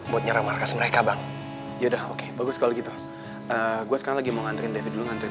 buat nyara markas mereka bang yaudah oke bagus kalau gitu gue sekarang lagi mau ngantri ngantri